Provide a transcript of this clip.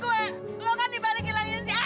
lo kan dibalikin lagi sih